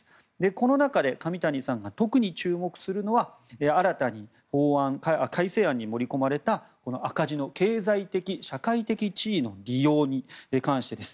この中で上谷さんが特に注目するのは新たに改正案に盛り込まれたこの赤字の経済的・社会的地位の利用に関してです。